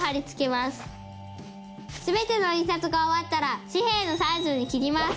全ての印刷が終わったら紙幣のサイズに切ります。